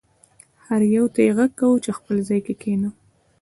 هر یو ته یې غږ کاوه چې خپل ځای کې کښېنه.